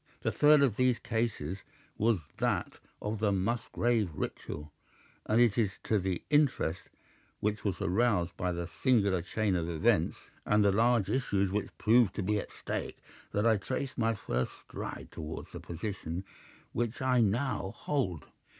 The third of these cases was that of the Musgrave Ritual, and it is to the interest which was aroused by that singular chain of events, and the large issues which proved to be at stake, that I trace my first stride towards the position which I now hold.